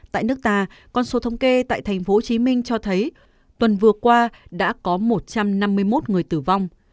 tại nước ta con số thống kê tại tp hcm cho thấy tuần vừa qua đã có một trăm năm mươi một người tử vong